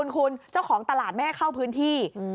คุณเจ้าของตลาดไม่ให้เข้าพื้นที่